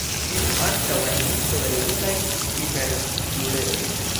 Vidu ankaŭ en listo de regulaj hiperpluredroj.